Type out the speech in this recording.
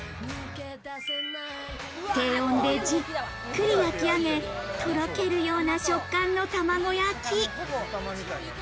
低温でじっくり焼き上げ、とろけるような食感の玉子焼き。